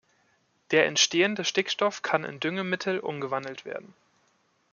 Der entstehende Stickstoff kann in Düngemittel umgewandelt werden.